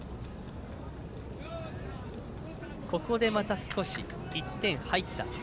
ここでまた少し１点入った。